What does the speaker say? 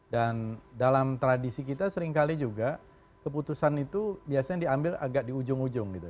dan dalam tradisi kita seringkali juga keputusan itu biasanya diambil agak di ujung ujung gitu